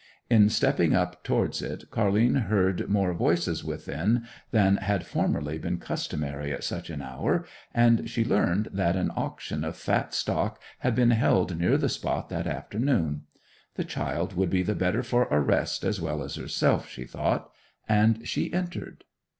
In stepping up towards it Car'line heard more voices within than had formerly been customary at such an hour, and she learned that an auction of fat stock had been held near the spot that afternoon. The child would be the better for a rest as well as herself, she thought, and she entered.